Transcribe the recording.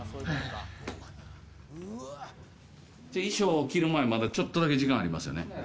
衣装着る前、まだちょっとだけ時間ありますよね。